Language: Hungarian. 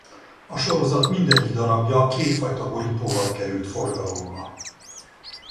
A sorozat mindegyik darabja kétfajta borítóval került forgalomba.